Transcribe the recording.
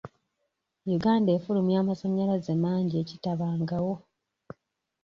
Uganda efulumya amasannyalaze mangi ekitabangawo.